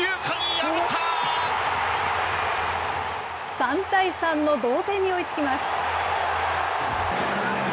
３対３の同点に追いつきます。